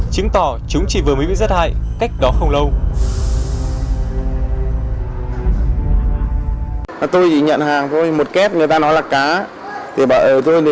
chứng tỏ chúng chỉ vừa mới bị giết hại cách đó không lâu